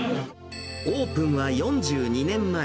オープンは４２年前。